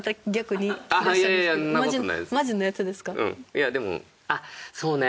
いやでもあっそうね。